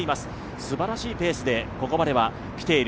すばらしいペースでここまではきている。